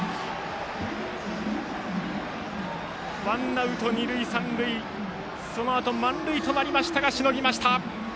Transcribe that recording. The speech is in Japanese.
ワンアウト、二塁三塁そのあと満塁となりましたがしのぎました。